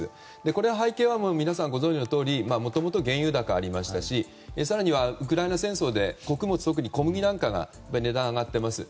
この背景は皆さんご存じのとおりもともと原油高がありましたし更にはウクライナ戦争で、穀物特に小麦なんかの値段が上がっています。